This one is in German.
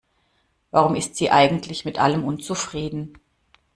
Warum ist sie eigentlich mit allem unzufrieden?